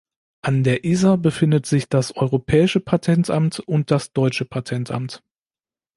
An der Isar befinden sich das Europäische Patentamt und das Deutsche Patentamt.